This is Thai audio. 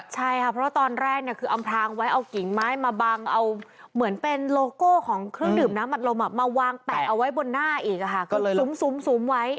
ใช่ค่ะเพราะว่าตอนแรกคืออำพรางไว้เอากิ่งไม้มาบังเอาเหมือนเป็นโลโก้ของเครื่องดื่มน้ำอัดลมมาวางแปะเอาไว้บนหน้าอีกก็เลยซุ้มไว้